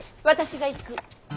私が行く。